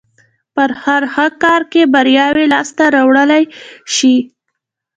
په هر ښه کار کې برياوې لاس ته راوړلای شي.